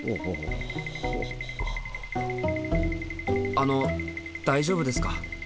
あの大丈夫ですか？